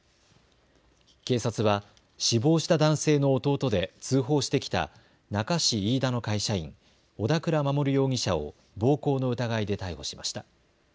警察は死亡した男性の弟で通報してきた那珂市飯田の会社員、小田倉守容疑者を暴行の疑いで逮捕しました。